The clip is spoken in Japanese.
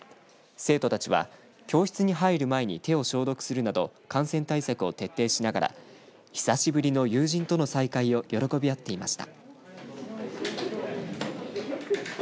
生徒たちは教室に入る前に手を消毒するなど感染対策を徹底しながら久しぶりの友人との再会を喜び合っていました。